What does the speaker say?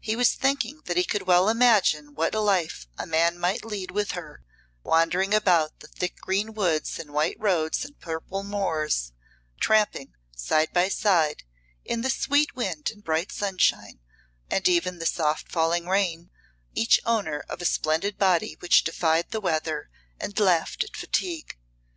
He was thinking that he could well imagine what a life a man might lead with her, wandering about the thick green woods and white roads and purple moors, tramping, side by side, in the sweet wind and bright sunshine, and even the soft falling rain, each owner of a splendid body which defied the weather and laughed at fatigue.